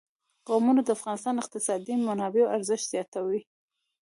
قومونه د افغانستان د اقتصادي منابعو ارزښت زیاتوي.